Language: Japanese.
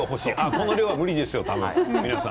この量は無理ですよ皆さん。